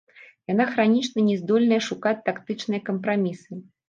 Яна хранічна не здольная шукаць тактычныя кампрамісы.